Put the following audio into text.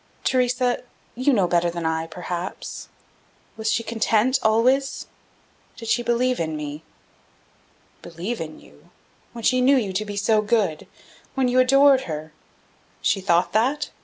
Theresa, you know better than I, perhaps. Was she content, always? Did she believe in me?" "Believe in you? when she knew you to be so good! when you adored her!" "She thought that?